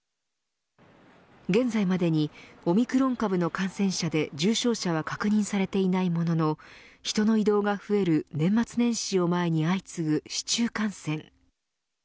現在までにオミクロン株の感染者で重症者は確認されていないものの人の移動が増える年末年始を前に相次ぐ市中感染。